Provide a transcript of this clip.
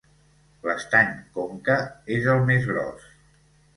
L'Estany Conca és el més gros.